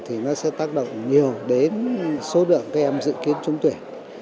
thì nó sẽ tác động nhiều đến số đoạn các em dự kiến trung tuyển